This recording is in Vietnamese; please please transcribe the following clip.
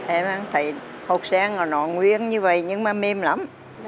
em ăn thịt hột sen nó nguyên như vầy nhưng mà mềm lắm